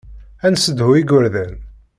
Ad nessedhu igerdan.